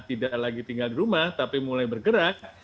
tidak lagi tinggal di rumah tapi mulai bergerak